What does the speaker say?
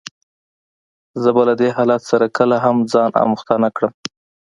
زه به له دې حالت سره کله هم ځان آموخته نه کړم.